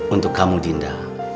untuk kamu dinda